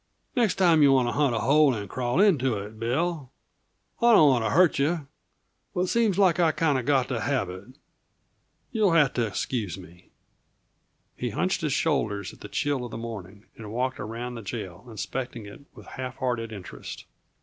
Next time you want to hunt a hole and crawl into it, Bill. I don't want to hurt you but seems like I've kinda got the habit. You'll have to excuse me." He hunched his shoulders at the chill of the morning and walked around the jail, inspecting it with half hearted interest.